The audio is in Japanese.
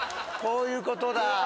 こういうことだ。